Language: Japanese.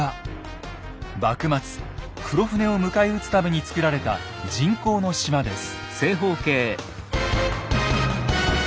幕末黒船を迎え撃つために造られた人工の島です。